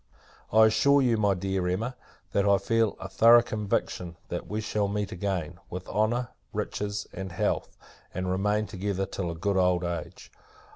I assure you, my dear Emma, that I feel a thorough conviction, that we shall meet again, with honour, riches, and health, and remain together till a good old age.